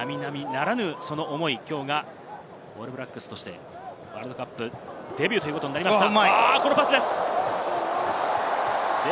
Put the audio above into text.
きょうがオールブラックスとしてワールドカップデビューということになりました。